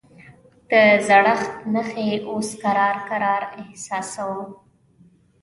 د زړښت نښې اوس کرار کرار احساسوم.